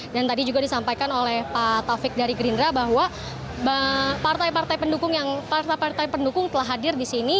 dan tadi juga disampaikan oleh pak taufik dari gerindra bahwa partai partai pendukung yang partai partai pendukung telah hadir di sini